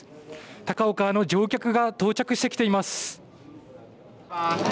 高雄からの乗客が到着してきています。